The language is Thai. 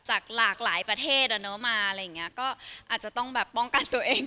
จากหลากหลายประเทศอ่ะเนอะมาอะไรอย่างเงี้ยก็อาจจะต้องแบบป้องกันตัวเอง